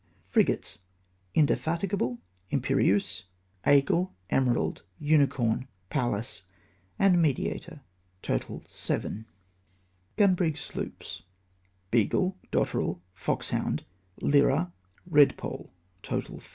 Frigates : Indefatigable, Imperieuse, Aigle, Emerald, Unicorn, Pallas, and Mediator. Total, 7. GuNBRiG Sloops : Beagle, Dotterel, Foxhound, Lyra, Redpole. Total, 5.